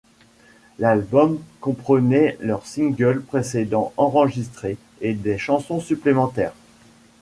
L'album comprenait leurs singles précédemment enregistrés et des chansons supplémentaires.